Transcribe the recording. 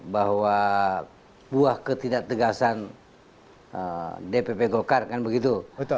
bahwa buah ketidak tegasan dpp golkar kan begitu